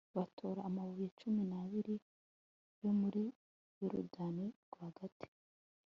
batora amabuye cumi n'abiri yo muri yorudani rwagati